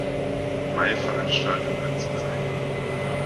Mai-Veranstaltung anzugreifen.